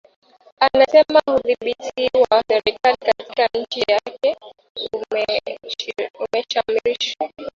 anasema udhibiti wa serikali katika nchi yake umeshamiri